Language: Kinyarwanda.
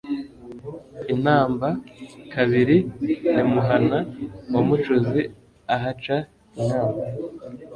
I Namba-kabiri n'imuhana wa Mucuzi, ahaca inkamba.